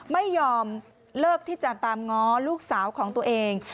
ไม่ยอมเลิกที่จะตามง้อลูกสาวของตัวเอง